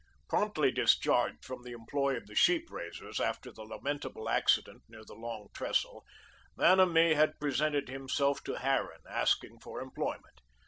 Promptly discharged from the employ of the sheep raisers after the lamentable accident near the Long Trestle, Vanamee had presented himself to Harran, asking for employment.